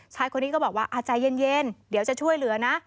ชายคนนี้ก็บอกว่าใจเย็นเดี๋ยวจะช่วยเหลือนะ